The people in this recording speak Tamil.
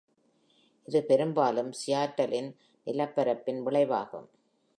இது பெரும்பாலும் சியாட்டலின் நிலப்பரப்பின் விளைவாகும்.